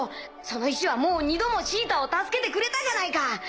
その石はもう２度もシータを助けてくれたじゃないか。